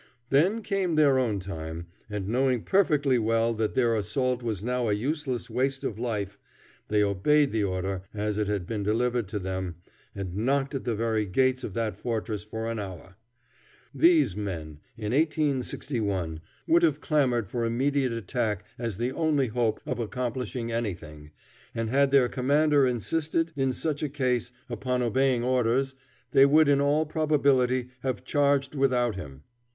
Then came their own time, and knowing perfectly well that their assault was now a useless waste of life, they obeyed the order as it had been delivered to them, and knocked at the very gates of that fortress for an hour. These men, in 1861, would have clamored for immediate attack as the only hope of accomplishing anything, and had their commander insisted, in such a case, upon obeying orders, they would in all probability have charged without him.